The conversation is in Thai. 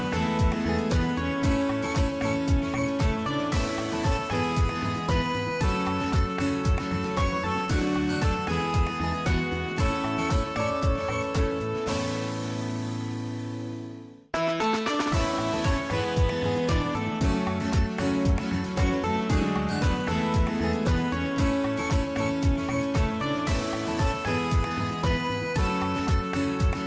โปรดติดตามตอนต่อไป